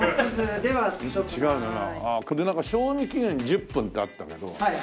でなんか賞味期限１０分ってあったけど。